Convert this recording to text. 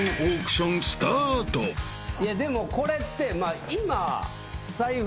いやでもこれって。